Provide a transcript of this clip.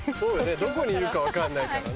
どこにいるか分かんないからね。